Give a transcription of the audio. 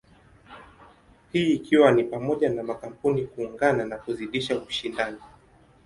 Hii ikiwa ni pamoja na makampuni kuungana na kuzidisha ushindani.